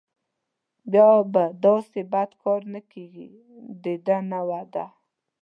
بیا به داسې بد کار نه کېږي دده نه وعده.